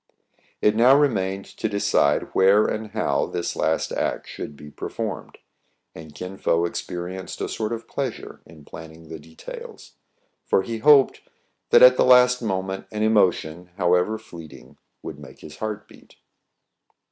It now remained to decide where and how this last act should be performed ; and Kin Fo experi enced a sort of pleasure in planning the details. 76 TRIBULATIONS OF A CHINAMAN, for he hoped that at the last moment an emotion, however fleeting, would make his heart beat.